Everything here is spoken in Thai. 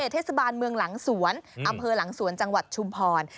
เทศบาลเมืองหลังสวนอำเภอหลังสวนจังหวัดชุมพร